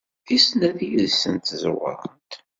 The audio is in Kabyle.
Deg snat yid-sent ẓewrent.